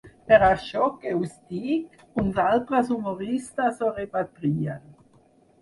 Però això que us dic, uns altres humoristes ho rebatrien.